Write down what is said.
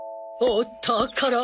「おったから」